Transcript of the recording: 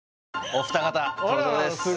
お二方登場です